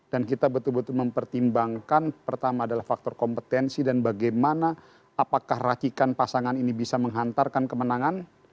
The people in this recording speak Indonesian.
dan kita betul betul mempertimbangkan pertama adalah faktor kompetensi dan bagaimana apakah racikan pasangan ini bisa menghantarkan kemenangan